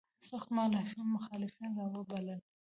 سخت مخالفین را وبلل.